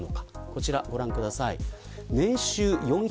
こちら、ご覧ください。